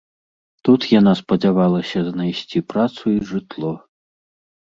Тут яна спадзявалася знайсці працу і жытло.